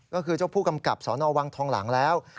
ก็คือเจ้าผู้กำกับสนวังทองหลังแล้ว